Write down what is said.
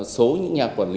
và một số những nhà quản lý